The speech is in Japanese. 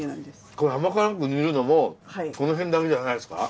これ甘辛く煮るのもこの辺だけじゃないですか？